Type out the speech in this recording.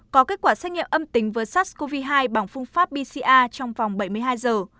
có kết quả xét nghiệm âm tính với sars cov hai bằng phương pháp bca trong vòng bảy mươi hai giờ